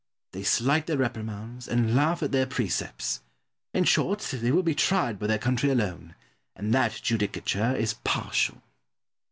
They slight their reprimands, and laugh at their precepts in short, they will be tried by their country alone; and that judicature is partial.